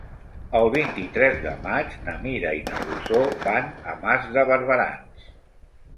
El vint-i-tres de maig na Mira i na Rosó van a Mas de Barberans.